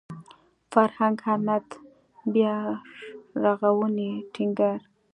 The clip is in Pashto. فرهنګ اهمیت بیارغاونې ټینګار